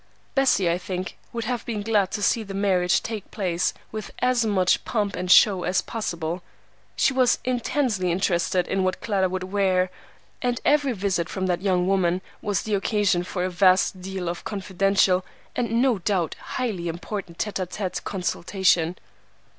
Bessie, I think, would have been glad to see the marriage take place with as much pomp and show as possible. She was intensely interested in what Clara should wear, and every visit from that young woman was the occasion for a vast deal of confidential and no doubt highly important tête à tête consultation.